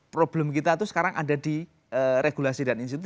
problem kita itu sekarang ada di regulasi dan institusi